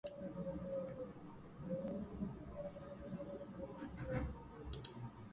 In this sentence, "framework" means a structure or set of rules.